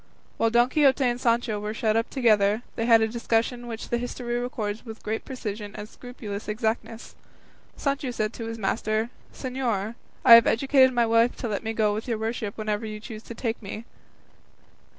While Don Quixote and Sancho were shut up together, they had a discussion which the history records with great precision and scrupulous exactness. Sancho said to his master, "Señor, I have educed my wife to let me go with your worship wherever you choose to take me."